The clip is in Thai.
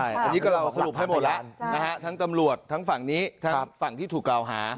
อันนี้ก็เราสรุปให้หมดแล้วทั้งตำรวจทั้งฝั่งนี้ทั้งฝั่งที่ถูกกล่าวหา